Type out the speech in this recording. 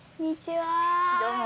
どうも。